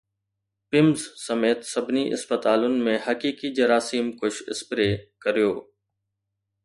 PIMS سميت سڀني اسپتالن ۾ حقيقي جراثيم ڪش اسپري ڪريو